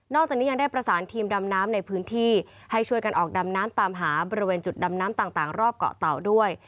จากนี้ยังได้ประสานทีมดำน้ำในพื้นที่ให้ช่วยกันออกดำน้ำตามหาบริเวณจุดดำน้ำต่างรอบเกาะเตาด้วย